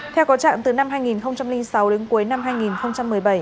theo có trạm từ năm hai nghìn sáu đến cuối năm hai nghìn một mươi bảy